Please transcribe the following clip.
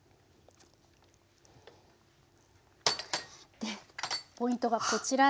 でポイントがこちらですね。